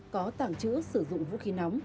có tàng trữ sử dụng vũ khí nóng